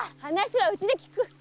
話はうちで聞く。